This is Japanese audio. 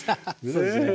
そうですね。